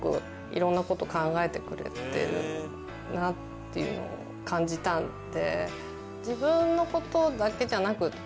っていうのを感じたんで。